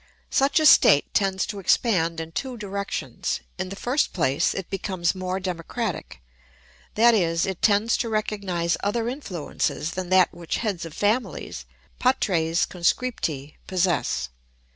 ] Such a state tends to expand in two directions. In the first place, it becomes more democratic; that is, it tends to recognise other influences than that which heads of families—patres conscripti—possess.